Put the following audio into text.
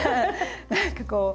何かこう。